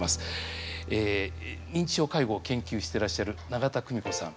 認知症介護を研究してらっしゃる永田久美子さん。